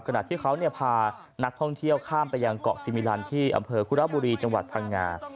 ขณะที่เขาพานักท่องเที่ยวข้ามไปยังเกาะซิมิลันที่อำเภอคุระบุรีจังหวัดพังงา